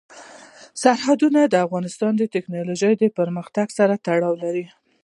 سرحدونه د افغانستان د تکنالوژۍ پرمختګ سره تړاو لري.